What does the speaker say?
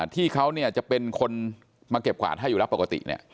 ที่เขาจะเป็นคนมาเก็บกวาดให้อยู่แล้วปกติ